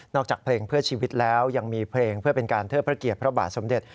จากเพลงเพื่อชีวิตแล้วยังมีเพลงเพื่อเป็นการเทิดพระเกียรติพระบาทสมเด็จ